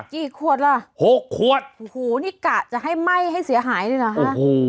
กี่ขวดล่ะหกขวดโอ้โหนี่กะจะให้ไหม้ให้เสียหายเลยเหรอฮะโอ้โห